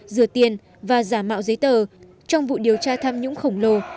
rửa tiền và giả mạo giấy tờ trong vụ điều tra tham nhũng khổng lồ